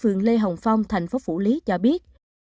phường lê hồng phong thành phố phủ lý cho biết